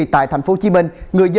vâng chúc mừng